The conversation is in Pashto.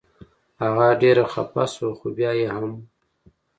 هغه ډېره خفه شوه خو بیا یې هم.